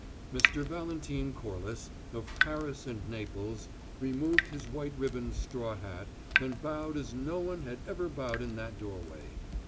Mr. Valentine Corliss, of Paris and Naples, removed his white ribboned straw hat and bowed as no one had ever bowed in that doorway.